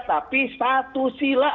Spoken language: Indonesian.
tapi satu sila atau ekasila